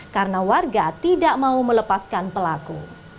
karena warga tidak mau melepaskan pelaku